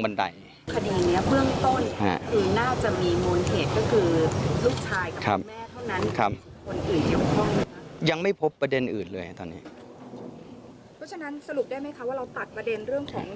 สรุปได้ไหมคะว่าเราตัดประเด็นเรื่องของ